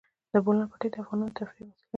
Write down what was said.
د بولان پټي د افغانانو د تفریح یوه وسیله ده.